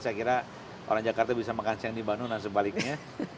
saya kira orang jakarta bisa makan siang di bandung dan sebaliknya